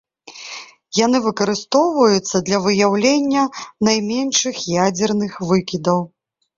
Яны выкарыстоўваюцца для выяўлення найменшых ядзерных выкідаў.